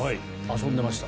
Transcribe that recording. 遊んでました。